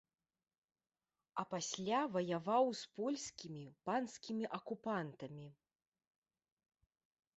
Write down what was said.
А пасля ваяваў з польскімі панскімі акупантамі.